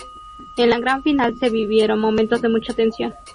En la gran final se vivieron momentos de mucha tensión.